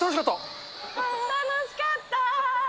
楽しかった。